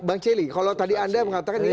bang celi kalau tadi anda mengatakan ini